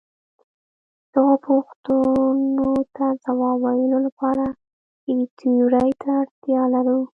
دغو پوښتنو ته ځواب ویلو لپاره یوې تیورۍ ته اړتیا لرو.